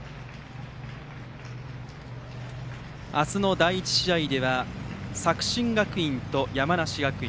明日の第１試合では作新学院と山梨学院。